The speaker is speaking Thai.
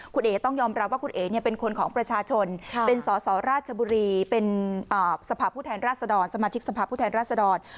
คุณเอ๋ต้องยอมรับว่าคุณเอ๋เป็นคนของประชาชนเป็นสสราชบุรีเป็นสภาพผู้แทนราชดรสมาชิกสภาพผู้แทนราชดร